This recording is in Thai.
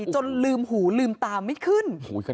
จนลืมหูลืมตาไม่ขึ้น